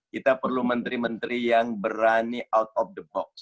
kita perlu menteri menteri yang berani out of the box